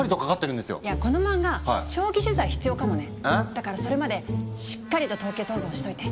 だからそれまでしっかりと凍結保存しといて！